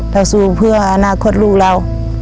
เราสู้เพื่ออนาคตค่อนข้างลูกเรา